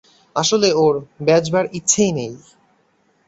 আসলে ওর বেচবার ইচ্ছেই নেই!